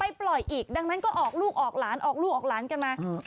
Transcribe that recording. ปล่อยอีกดังนั้นก็ออกลูกออกหลานออกลูกออกหลานกันมา